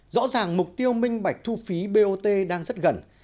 rõ ràng mục tiêu minh bạch thu phí bot đang rất gần